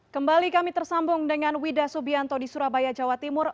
kembali kami tersambung dengan wida subianto di surabaya jawa timur